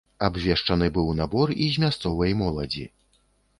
Абвешчаны быў набор і з мясцовай моладзі.